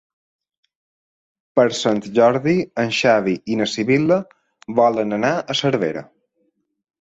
Per Sant Jordi en Xavi i na Sibil·la volen anar a Cervera.